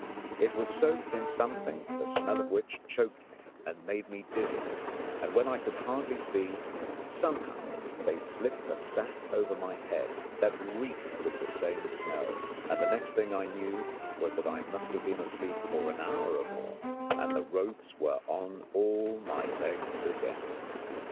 It was soaked in something the smell of which choked me and made me dizzy, and when I could hardly see, somehow they slipped a sack over my head that reeked with the same smell, and the next thing I knew was that I must have been asleep for an hour or more and the ropes were on all my legs again.